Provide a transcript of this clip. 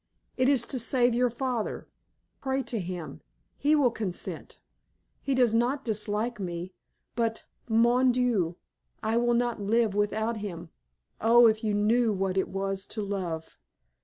It is to save your father. Pray to him. He will consent. He does not dislike me. But, mon Dieu! I will not live without him. Oh, if you knew what it was to love."